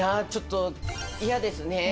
ちょっと嫌ですね。